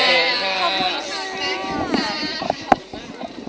ขอบคุณค่า